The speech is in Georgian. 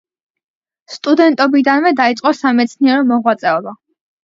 სტუდენტობიდანვე დაიწყო სამეცნიერო მოღვაწეობა.